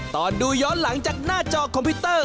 ตอนดูย้อนหลังจากหน้าจอคอมพิวเตอร์